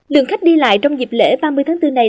lượng khách đi lại trong dịp lễ ba mươi tháng bốn này